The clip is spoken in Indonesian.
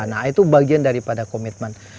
nah itu bagian daripada komitmen